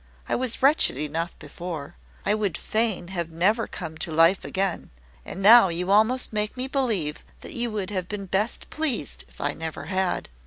I was wretched enough before I would fain have never come to life again: and now you almost make me believe that you would have been best pleased if I never had."